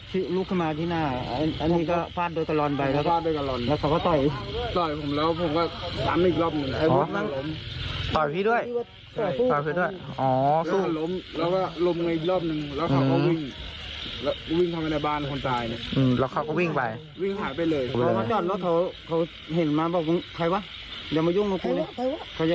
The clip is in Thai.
ไหว่ะยังมายุ่งนักกู่เลยมายุ่งอะไรอย่างเนี่ย